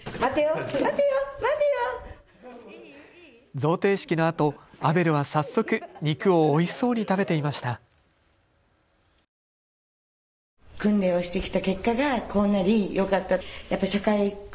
贈呈式のあとアベルは早速、肉をおいしそうに食べていました。